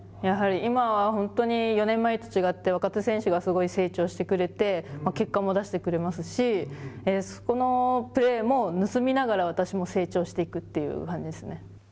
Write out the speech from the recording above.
やはり今は本当に４年前と違って若手選手がすごい成長してくれて結果も出してくれますしそこのプレーも盗みながら私も成長していくという感じですね。